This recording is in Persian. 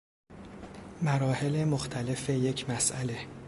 مراحل مختلف یک مسئله